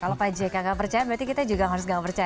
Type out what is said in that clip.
kalau pak jk nggak percaya berarti kita juga harus nggak percaya